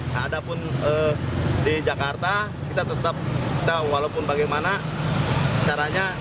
tak ada pun di jakarta kita tetap kita walaupun bagaimana caranya